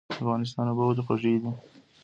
د افغانستان اوبه ولې خوږې دي؟